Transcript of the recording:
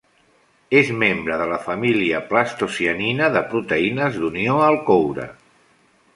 És membre de la família plastocianina de proteïnes d'unió al coure.